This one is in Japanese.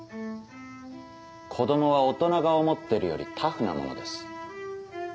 子供は大人が思ってるよりタフなものです。